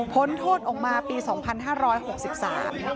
พ้นโทษออกมาปี๒๕๖๓บาท